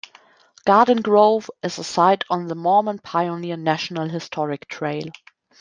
Garden Grove is a site on the Mormon Pioneer National Historic Trail.